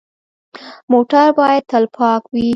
موټر باید تل پاک وي.